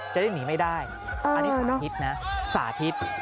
จะได้หนีไม่ได้อันนี้คนคิดนะสาธิต